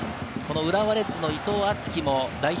浦和レッズの伊藤敦樹も代表